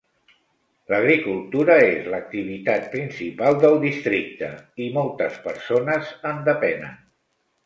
L"agricultura és l"activitat principal del districte i moltes personen en depenen.